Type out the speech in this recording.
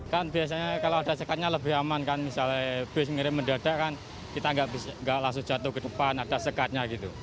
kan biasanya kalau ada sekatnya lebih aman kan misalnya bus ngirim mendadak kan kita nggak langsung jatuh ke depan ada sekatnya gitu